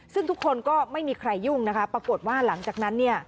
ซึ่งทุกคนก็ไม่มีใครยุ่งนะคะปรากฏว่าหลังจากนั้นเนี่ย